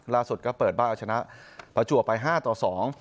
ล่าสุดก็เปิดบ้านเอาชนะประจวบไปห้าต่อสอง